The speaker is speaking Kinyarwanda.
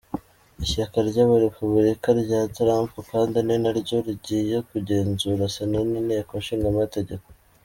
Ishyaka ry'abarepublicain rya Trump kandi ni naryo rigiye kugenzura sena n'inteko nshingamategeko.